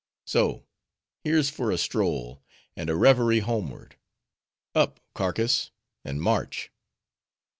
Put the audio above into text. So, here's for a stroll, and a reverie homeward:— Up, carcass, and march.